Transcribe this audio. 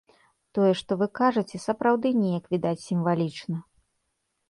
Тое, што вы кажаце, сапраўды неяк відаць сімвалічна.